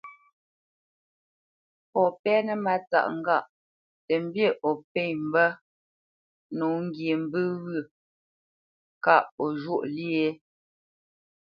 Fɔ pɛ́nə Mátsáʼ ŋgâʼ tə mbî o pê mbə̂ nǒ ŋgi mbə̂ ghyə̂ kâʼ o zhwóʼ lyê?